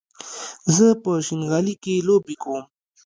زه په شينغالي کې لوبې کوم